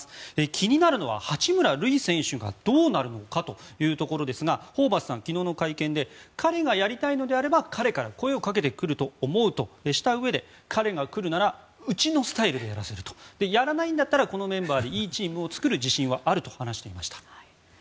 気になるのは八村塁選手がどうなるのかというところですがホーバスさん、昨日の会見で彼がやりたいのであれば彼から声をかけてくると思うとしたうえで彼が来るならうちのスタイルでやらせるやらないんだったらこのメンバーでいいチームを作る自信はあると話していました。